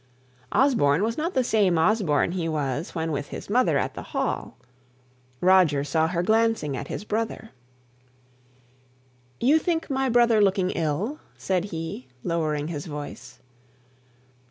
Osborne was not the same Osborne he was when with his mother at the Hall. Roger saw Molly glancing at his brother. "You think my brother looking ill?" said he, lowering his voice.